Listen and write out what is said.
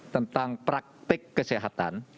tentang praktik kesehatan